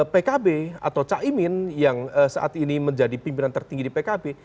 pkb atau caimin yang saat ini menjadi pimpinan tertinggi di pkb